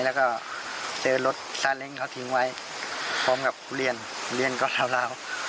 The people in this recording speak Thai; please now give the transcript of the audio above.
แล้วก็เจอรถซาเล้งเขาทิ้งไว้พร้อมกับเรียนเรียนก็ลาว